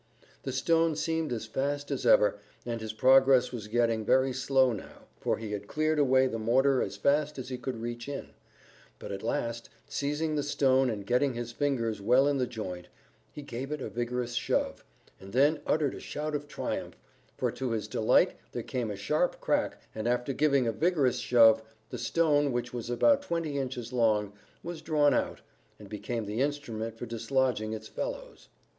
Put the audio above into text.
The stone seemed as fast as ever, and his progress was getting very slow now, for he had cleared away the mortar as fast as he could reach in; but at last, seizing the stone and getting his fingers well in the joint, he gave it a vigorous shove, and then uttered a shout of triumph, for to his delight there came a sharp crack, and after giving a vigorous shove, the stone, which was about twenty inches long, was drawn out, and became the instrument for dislodging its fellows.